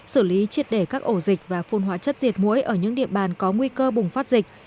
xử lý triệt để các ổ dịch và phun hóa chất diệt mũi ở những địa bàn có nguy cơ bùng phát dịch